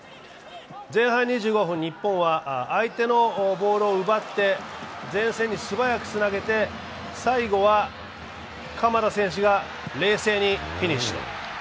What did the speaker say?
前半２５分、日本は相手のボールを奪って前線に素早くつなげて、最後は鎌田選手が冷静にフィニッシュ。